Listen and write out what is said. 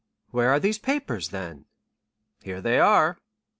"Where are these papers, then?" "Here they are."